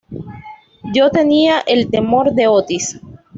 Yo tenía el temor de Otis.